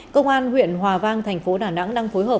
công an huyện hòa vang thành phố đà nẵng đang phối hợp